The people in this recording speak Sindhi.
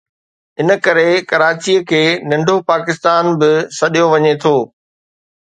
ان ڪري ڪراچي کي ”ننڍو پاڪستان“ به سڏيو وڃي ٿو